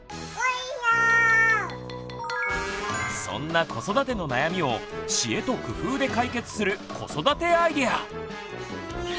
そんな子育ての悩みを知恵と工夫で解決する子育てアイデア！